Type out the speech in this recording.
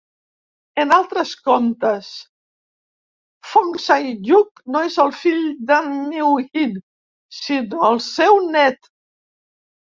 En altres comptes, Fong Sai-yuk no és el fill de Miu Hin sinó el seu nét.